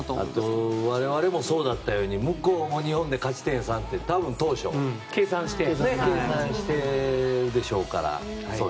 あと我々もそうだったように向こうも日本で勝ち点３って当初計算してるでしょうから。